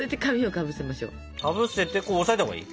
かぶせてこう押さえたほうがいい？